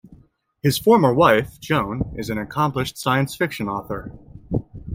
His former wife, Joan, is an accomplished science fiction author.